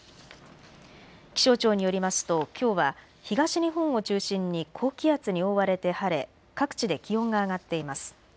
気象庁によりますと、きょうは東日本を中心に高気圧に覆われて晴れ各地で気温が上がっています。